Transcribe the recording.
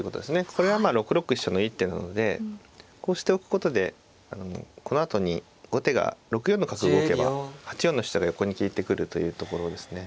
これはまあ６六飛車の一手なのでこうしておくことでこのあとに後手が６四の角動けば８四の飛車が横に利いてくるというところですね。